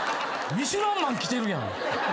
ミシュランマンきてるやん。